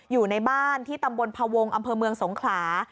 อยู่ในบ้านที่ตำบลพวงอมสงขลา